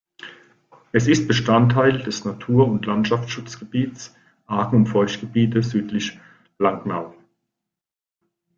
Es ist Bestandteil des Natur- und Landschaftsschutzgebiets „Argen und Feuchtgebiete südlich Langnau“.